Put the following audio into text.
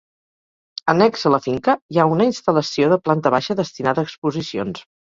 Annex a la finca hi ha una instal·lació de planta baixa destinada a exposicions.